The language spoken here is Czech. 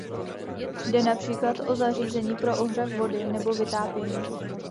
Jde například o zařízení pro ohřev vody nebo vytápění.